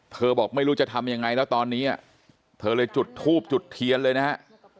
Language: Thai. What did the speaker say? บอกไม่รู้จะทำยังไงแล้วตอนนี้เธอเลยจุดทูบจุดเทียนเลยนะฮะ